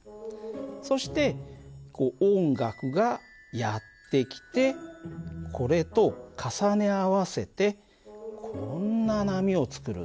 そして音楽がやって来てこれと重ね合わせてこんな波をつくるんです。